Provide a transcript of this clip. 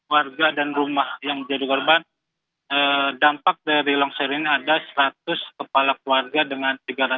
warga dan rumah yang jadi korban dampak dari longsor ini ada seratus kepala keluarga dengan tiga ratus